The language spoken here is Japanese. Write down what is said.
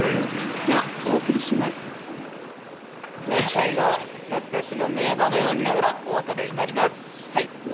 最後は懐かしの名場面を見ながらお別れになります。